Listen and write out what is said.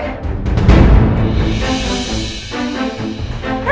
tunggu tunggu tunggu